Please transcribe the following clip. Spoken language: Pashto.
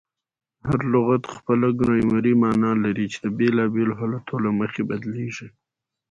هر لغت خپله ګرامري مانا لري، چي د بېلابېلو حالتو له مخي بدلیږي.